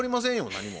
何も。